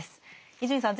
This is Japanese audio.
伊集院さん